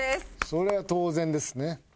それは当然ですね。